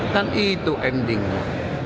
kan itu endingnya